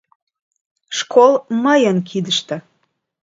Школ мыйын кидыште.